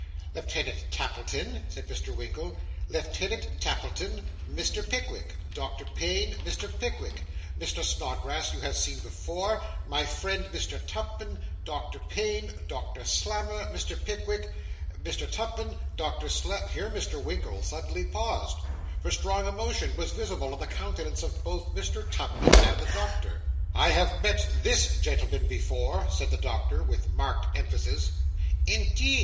'Lieutenant Tappleton,' said Mr. Winkle, 'Lieutenant Tappleton, Mr. Pickwick Doctor Payne, Mr. Pickwick Mr. Snodgrass you have seen before, my friend Mr. Tupman, Doctor Payne Doctor Slammer, Mr. Pickwick Mr. Tupman, Doctor Slam ' Here Mr. Winkle suddenly paused; for strong emotion was visible on the countenance both of Mr. Tupman and the doctor. 'I have met this gentleman before,' said the Doctor, with marked emphasis. 'Indeed!